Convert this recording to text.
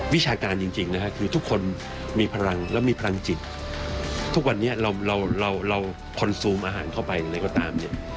วิชาการจริงนะฮะคือทุกคนมีพลังแล้วมีพลังจิตทุกวันนี้เราเราคอนซูมอาหารเข้าไปอะไรก็ตามเนี่ย